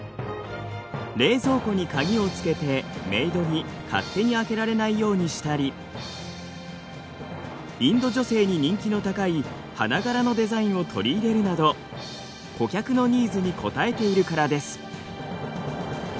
冷蔵庫に鍵を付けてメイドに勝手に開けられないようにしたりインド女性に人気の高い花柄のデザインを取り入れるなど顧客のニーズに応えているからです。